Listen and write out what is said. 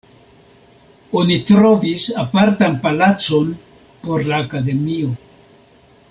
Oni trovis apartan palacon por la akademio.